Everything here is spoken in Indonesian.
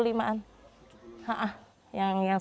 jadi mungkin kita bisa memiliki kemampuan untuk bersama